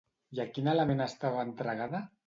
I a quin element estava entregada?